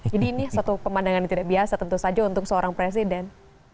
jadi ini satu pemandangan yang tidak biasa tentu saja untuk seorang presiden